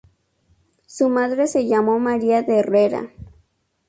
Su madre se llamó María de Herrera.